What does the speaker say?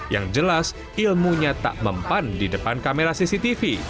yang jelas ilmunya tak mempan di depan kamera cctv